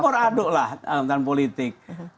taduklah dalam hal politik